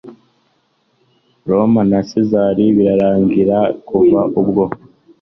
Roma na Sezari birarangira kuva ubwo